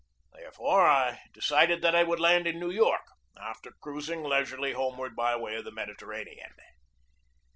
Therefore, I decided that I 288 GEORGE DEWEY would land in New York, after cruising leisurely homeward by way of the Mediterranean.